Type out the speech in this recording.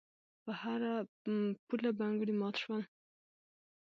په هر پوله بنګړي مات شول.